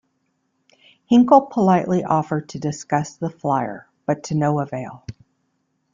Hinkle politely offered to discuss the flier, but to no avail.